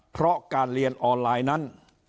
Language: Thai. เพราะการเรียนออนไลน์นั้น